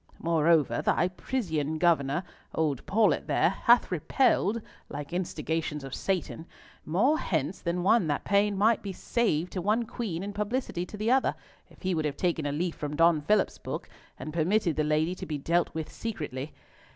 Moreover, thy precisian governor, old Paulett there, hath repelled, like instigations of Satan, more hints than one that pain might be saved to one queen and publicity to the other, if he would have taken a leaf from Don Philip's book, and permitted the lady to be dealt with secretly.